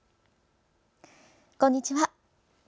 こんにちは。